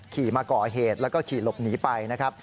ขี่มาก่อเหตุแล้วก็ขี่หลบหนีไปนะครับ